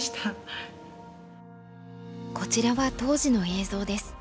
こちらは当時の映像です。